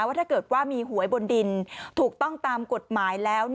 ว่าถ้าเกิดว่ามีหวยบนดินถูกต้องตามกฎหมายแล้ว